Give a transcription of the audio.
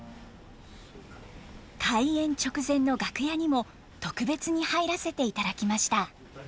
開演直前の楽屋にも特別に入らせていただきました。